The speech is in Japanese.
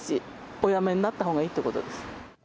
お辞めになったほうがいいってことです。